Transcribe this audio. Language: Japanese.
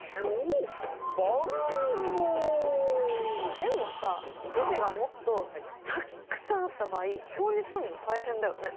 でもさくじがもっとたくさんあった場合表にすんの大変だよね。